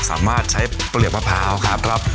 สามารถใช้เปลือกมะพร้าวครับ